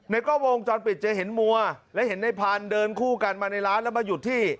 กล้องวงจรปิดจะเห็นมัวและเห็นในพันธุ์เดินคู่กันมาในร้านแล้วมาหยุดที่